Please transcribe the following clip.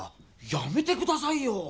やめて下さいよ！